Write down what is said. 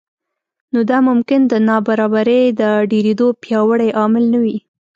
نو دا ممکن د نابرابرۍ د ډېرېدو پیاوړی عامل نه وي